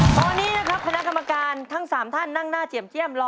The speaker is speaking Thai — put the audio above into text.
ตอนนี้นะครับคณะกรรมการทั้ง๓ท่านนั่งหน้าเจียมเจียมรอ